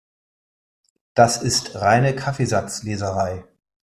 Das ist reine Kaffeesatzleserei.